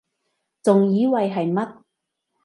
仲以為係乜????